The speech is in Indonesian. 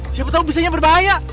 siapa tau bisa nya berbahaya